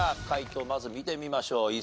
解答まず見てみましょう。